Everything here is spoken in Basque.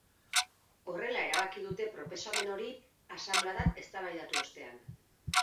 Horrela erabaki dute proposamen hori asanbladan eztabaidatu ostean.